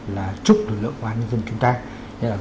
là chúc lực lượng công an nhân dân chúng ta